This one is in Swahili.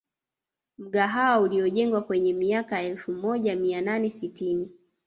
Mgahawa ulijengwa kwenye miaka ya elfu moja mia nane sitini